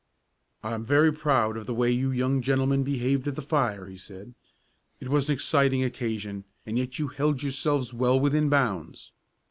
"I am very proud of the way you young gentlemen behaved at the fire," he said. "It was an exciting occasion, and yet you held yourselves well within bounds.